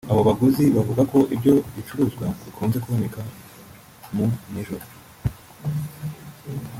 Abo baguzi bavuga ko ibyo bicuruzwa bikunze ku boneka mu nijoro